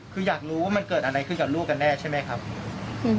คืออยากรู้ว่ามันเกิดอะไรขึ้นกับลูกกันแน่ใช่ไหมครับ